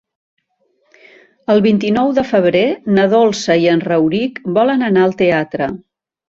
El vint-i-nou de febrer na Dolça i en Rauric volen anar al teatre.